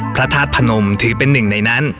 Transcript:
พระธาตุพนมถือเป็นหนึ่งในนั้น